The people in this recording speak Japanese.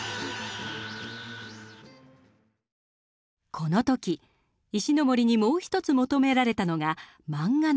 この時石森にもう一つ求められたのが漫画の連載。